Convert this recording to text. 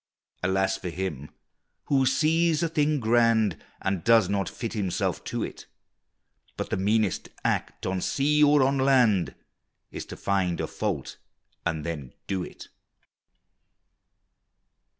Alas for him who sees a thing grand And does not fit himself to it! But the meanest act, on sea or on land, Is to find a fault, and then do it!